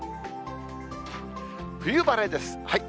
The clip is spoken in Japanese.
冬晴れです。